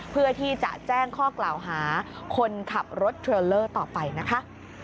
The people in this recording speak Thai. เพื่อที่จะแจ้งข้อกล่าวหาคนขับรถเทรลเลอร์ต่อไปนะคะ